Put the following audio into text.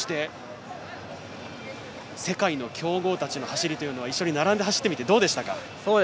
世界の強豪たちの走りというのは一緒に並んで走ってみてどうでしたか？